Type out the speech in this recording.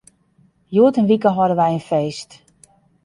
Hjoed in wike hâlde wy in feest.